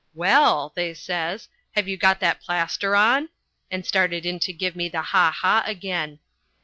"Well," they says, "have you got that plaster on?" and started in to give me the ha! ha! again.